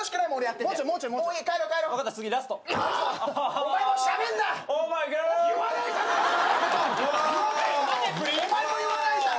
お前も言わないじゃん。